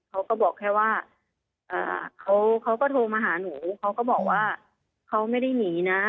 เขาก็บอกแค่ว่าเขาก็โทรมาหาหนูเขาก็บอกว่าเขาไม่ได้หนีนะ